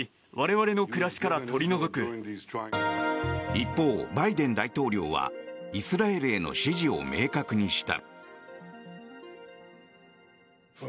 一方、バイデン大統領はイスラエルへの支持を明確にした。